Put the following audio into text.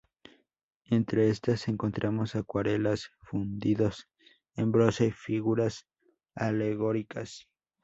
Entre estas encontramos acuarelas, fundidos en bronce, figuras alegóricas.